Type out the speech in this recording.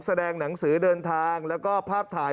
แสดงหนังสือเดินทางแล้วก็ภาพถ่าย